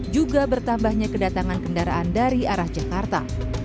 juga bertambahnya kedatangan kendaraan dari arah jakarta